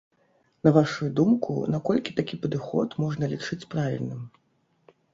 На вашую думку, наколькі такі падыход можна лічыць правільным?